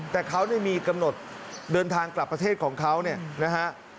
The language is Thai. แต่เขามีกำหนดเดินทางกลับประเทศของเขาเนี่ยนะฮะ